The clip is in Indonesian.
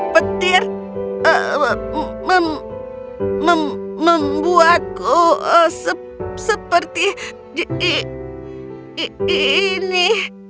petir membuatku seperti ini